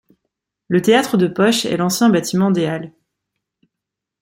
Le théâtre de Poche est l'ancien bâtiment des halles.